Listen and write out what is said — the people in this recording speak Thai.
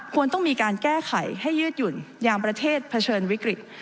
ควรต้องมีการแก้ไขให้ยืดหยุ่นยามประเทศเผชิญวิกฤต